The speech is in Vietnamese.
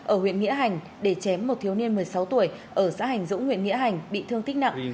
ở huyện nghĩa hành để chém một thiếu niên một mươi sáu tuổi ở xã hành dũng huyện nghĩa hành bị thương tích nặng